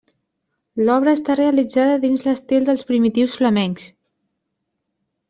L'obra està realitzada dins l'estil dels primitius flamencs.